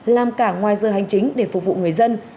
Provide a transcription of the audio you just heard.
làm cả ngoài giờ hành chính để phục vụ người dân